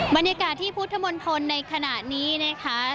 บรรยากาศที่พุทธมณฑลในขณะนี้นะคะ